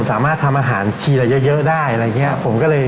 สามารถทำอาหารทีละเยอะได้อะไรอย่างนี้